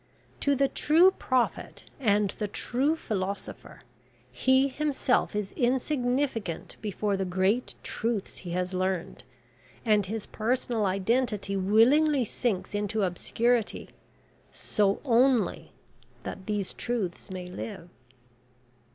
To the true Prophet and the true Philosopher, he himself is insignificant before the great truths he has learnt, and his personal identity willingly sinks into obscurity, so only that these truths may live.'"